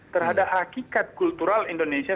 terhadap hakikat kultural indonesia